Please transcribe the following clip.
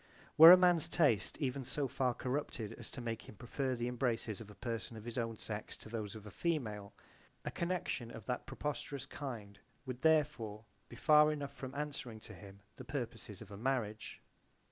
Were a man's taste even so far corrupted as to make him prefer the embraces of a person of his own sex to those of a female, a connection of that preposterous kind would therefore be far enough from answering to him the purposes of a marriage.